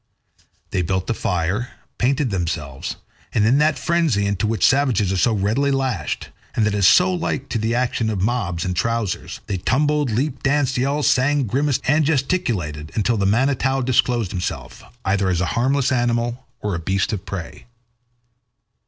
They built a fire, painted themselves, and in that frenzy into which savages are so readily lashed, and that is so like to the action of mobs in trousers, they tumbled, leaped, danced, yelled, sang, grimaced, and gesticulated until the Manitou disclosed himself, either as a harmless animal or a beast of prey.